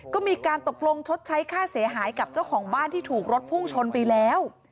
ก็มีการตกลงชดใช้ค่าเสียหายกับเจ้าของบ้านที่ถูกรถพุ่งชนไปแล้ว